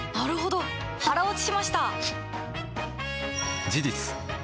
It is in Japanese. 腹落ちしました！